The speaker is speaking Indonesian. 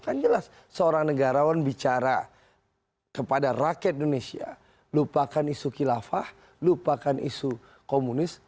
kan jelas seorang negarawan bicara kepada rakyat indonesia lupakan isu kilafah lupakan isu komunis